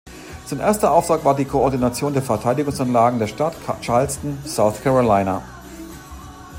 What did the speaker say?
Sein erster Auftrag war die Koordination der Verteidigungsanlagen der Stadt Charleston, South Carolina.